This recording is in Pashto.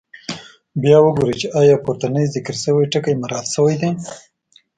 بیا وګورئ چې آیا پورتني ذکر شوي ټکي مراعات شوي دي.